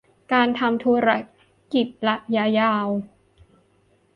การทำธุรกิจระยะยาว